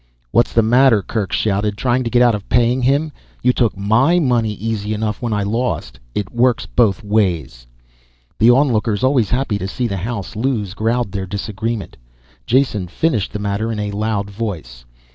"What's the matter," Kerk shouted, "trying to get out of paying him? You took my money easy enough when I lost it works both ways!" The onlookers, always happy to see the house lose, growled their disagreement. Jason finished the matter in a loud voice.